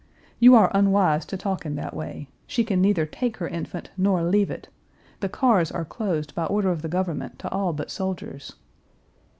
"You are unwise to talk in that way. She can neither take her infant nor leave it. The cars are closed by order of the government to all but soldiers."